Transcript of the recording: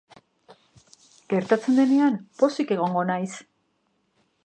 Gertatzen denean, pozik egongo naiz.